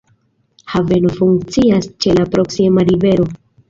Haveno funkcias ĉe la proksima rivero.